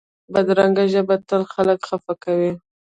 بدرنګه ژبه تل خلک خفه کوي